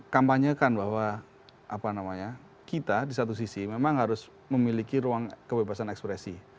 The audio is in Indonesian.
kampanyekan bahwa kita di satu sisi memang harus memiliki ruang kebebasan ekspresi